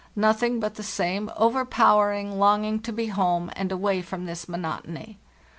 Nothing but the same overpowering longing to be home and away from this monotony.